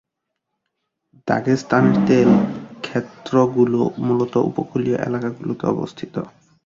দাগেস্তানের তেল ক্ষেত্র গুলো মূলত উপকূলীয় এলাকা গুলোতে অবস্থিত।